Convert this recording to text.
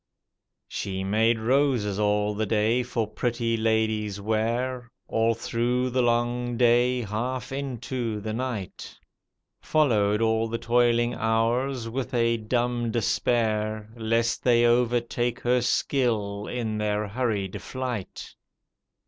She made roses all the day for pretty ladies' wear, All through the long day, half into the night. Followed all the toiling hours with a diunb despair Lest they overtake her skill in their hurried flight.